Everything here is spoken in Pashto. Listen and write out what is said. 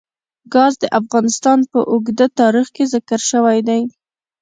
ګاز د افغانستان په اوږده تاریخ کې ذکر شوی دی.